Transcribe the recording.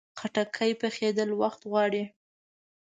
خټکی پخېدل وخت غواړي.